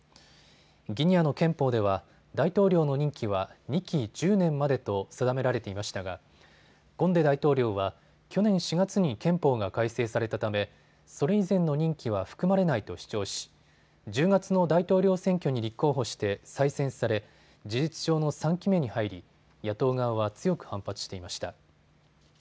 ギニアの憲法では大統領の任期は２期１０年までと定められていましたがコンデ大統領は去年４月に憲法が改正されたためそれ以前の任期は含まれないと主張し１０月の大統領選挙に立候補して再選され事実上の３期目に入り野党側は強く反発していました。